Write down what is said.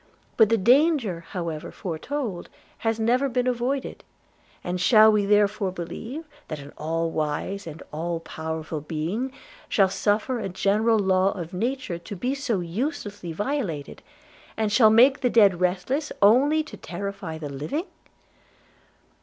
But the danger, however foretold, has never been avoided; and shall we therefore believe, that an all wise and all powerful Being shall suffer a general law of nature to be so uselessly violated, and shall make the dead restless, only to terrify the living?'